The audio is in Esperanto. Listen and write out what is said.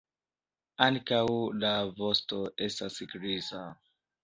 Ankaŭ la vosto estas griza.